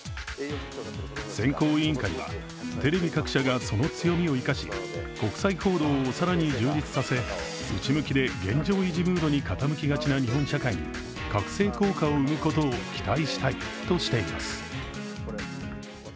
選考委員会はテレビ各社がその強みを生かし国際報道を更に充実させ、内向きで現状維持ムードに傾きがちな日本社会に覚醒効果を生むことを期待したいとしています。